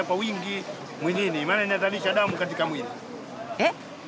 えっ？